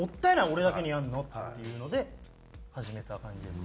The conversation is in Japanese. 俺だけにやるの」っていうので始めた感じです。